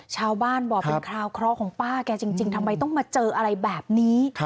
ชาวบ้านบอกเป็นคราวเคราะห์ของป้าแกจริงทำไมต้องมาเจออะไรแบบนี้